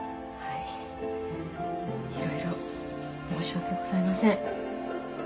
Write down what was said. いろいろ申し訳ございません。